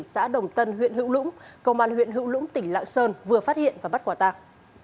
xã đồng tân huyện hữu lũng công an huyện hữu lũng tỉnh lạng sơn vừa phát hiện và bắt quả tạp